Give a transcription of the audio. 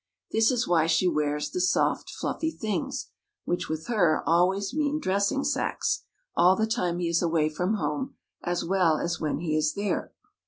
This is why she wears the "soft fluffy things," which, with her, always mean dressing sacks, all the time he is away from home, as well as when he is there.